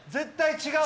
違う！